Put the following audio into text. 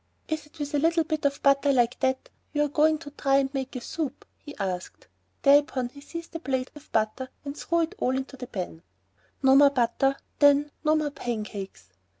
"Is it with a little bit of butter like that you're going to try and make a soup?" he asked. Thereupon he seized the plate with the butter and threw it all into the pan. No more butter ... then ... no more pancakes.